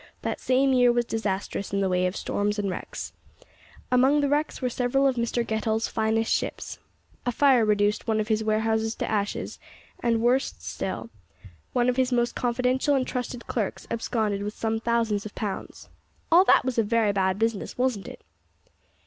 That same year was disastrous in the way of storms and wrecks. Among the wrecks were several of Mr Getall's finest ships. A fire reduced one of his warehouses to ashes, and, worse still, one of his most confidential and trusted clerks absconded with some thousands of pounds. All that was a very bad business, wasn't it?"